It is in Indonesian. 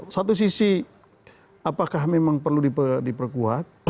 satu sisi apakah memang perlu diperkuat